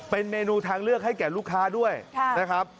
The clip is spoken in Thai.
เป็นเมนูทางเลือกให้แก่ลูกค้าด้วยนะครับ